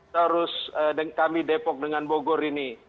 terus kami depok dengan bogor ini